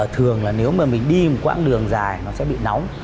thường là nếu mà mình đi một quãng đường dài nó sẽ bị nóng